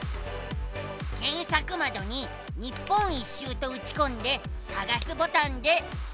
けんさくまどに日本一周とうちこんでさがすボタンでスクるのさ。